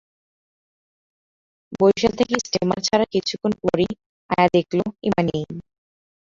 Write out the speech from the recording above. বরিশাল থেকে স্টিমার ছাড়ার কিছুক্ষণ পরই আয়া দেখল, ইমা নেই।